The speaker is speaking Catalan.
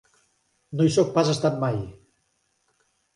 No hi soc pas estat mai.